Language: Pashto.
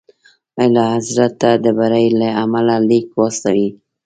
اعلیحضرت ته د بري له امله لیک واستوئ.